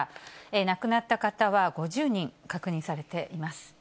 亡くなった方は５０人確認されています。